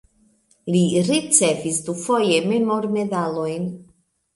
Li ricevis dufoje memormedalojn.